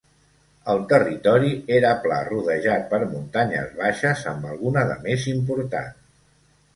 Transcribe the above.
El territori era pla rodejat per muntanyes baixes amb alguna de més important.